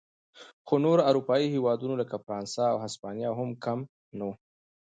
خو نور اروپايي هېوادونه لکه فرانسه او هسپانیا هم کم نه و.